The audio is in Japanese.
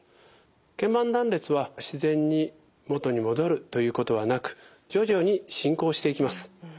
けん板断裂は自然に元に戻るということはなく徐々に進行していきます。